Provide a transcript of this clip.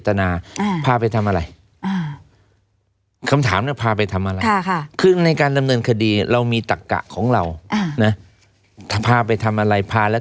ถ้าพาไปทำอะไรพาแล้วทำไมไม่พากลับ